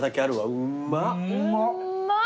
うんまっ。